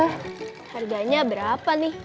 harganya berapa nih